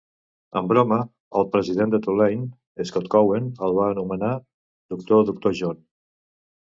En broma, el president de Tulane, Scott Cowen, el va anomenar "Doctor Doctor John".